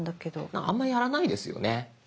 あんまりやらないですよね。